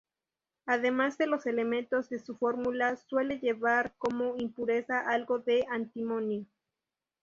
Además de los elementos de su fórmula, suele llevar como impureza algo de antimonio.